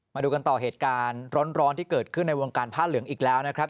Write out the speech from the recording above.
มาดูกันต่อเหตุการณ์ร้อนที่เกิดขึ้นในวงการผ้าเหลืองอีกแล้วนะครับ